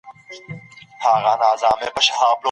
کېدای شي هوا بدله شي.